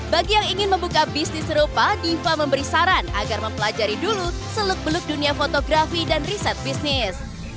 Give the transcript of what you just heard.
bagi yang ingin membuka bisnis serupa diva memberi saran agar mempelajari dulu seluk beluk dunia fotografi dan riset bisnis